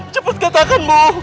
cepat katakan ibu